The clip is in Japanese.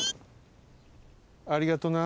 ありがとな。